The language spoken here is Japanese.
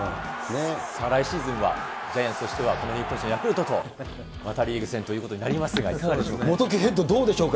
来シーズンは、ジャイアンツとしては、この日本一のヤクルトとまたリーグ戦ということになりますが、いかがでしょうか。